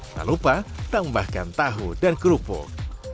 tak lupa tambahkan tahu dan kerupuk